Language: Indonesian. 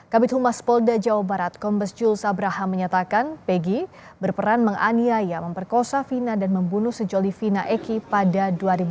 kabit humas polda jawa barat kombes jul sabraha menyatakan pegi berperan menganiaya memperkosa vina dan membunuh sejoli vina eki pada dua ribu empat belas